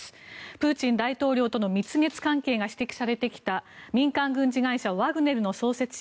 プーチン大統領との蜜月関係が指摘されてきた民間軍事会社ワグネルの創設者